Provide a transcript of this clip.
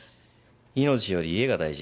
命より家が大事。